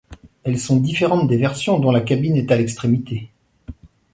Elles sont différentes des versions dont la cabine est à l'extrémité.